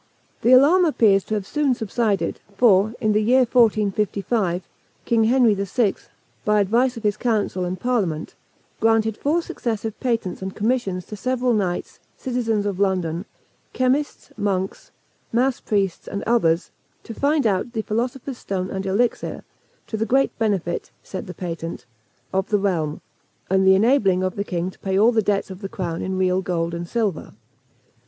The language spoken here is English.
This alarm appears to have soon subsided; for, in the year 1455, King Henry VI., by advice of his council and parliament, granted four successive patents and commissions to several knights, citizens of London, chemists, monks, mass priests, and others, to find out the philosopher's stone and elixir, "to the great benefit," said the patent, "of the realm, and the enabling of the king to pay all the debts of the crown in real gold and silver."